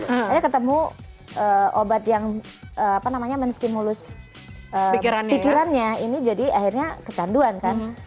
akhirnya ketemu obat yang menstimulus pikirannya ini jadi akhirnya kecanduan kan